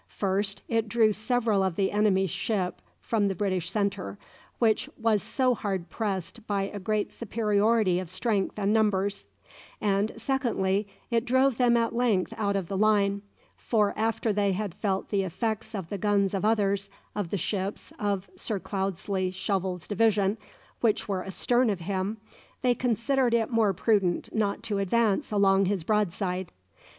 First it drew several of the enemy's ships from the British centre, which was so hard pressed by a great superiority of strength and numbers, and secondly it drove them at length out of the line, for after they had felt the effects of the guns of others of the ships of Sir Cloudesley Shovel's division, which were astern of him, they considered it more prudent not to advance along his broadside.